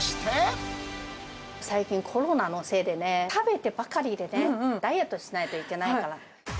最近、コロナのせいでね、食べてばかりでね、ダイエットしないといけないから。